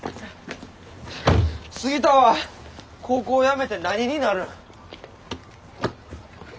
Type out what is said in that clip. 杉田は高校やめて何になるん？